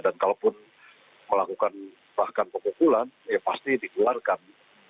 dan kalaupun melakukan bahkan pokok bulan ya pasti ditularkan